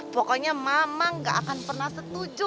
pokoknya mama gak akan pernah setuju